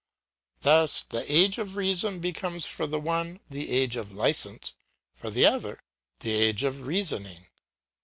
Thus the age of reason becomes for the one the age of licence; for the other, the age of reasoning.